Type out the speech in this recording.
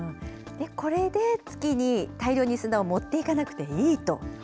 これで月に大量に砂を持っていかなくていいと。